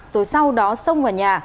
rồi sau đó xông vào nhà